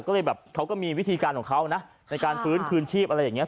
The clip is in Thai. ก็เลยแบบเขาก็มีวิธีการของเขานะในการฟื้นคืนชีพอะไรอย่างนี้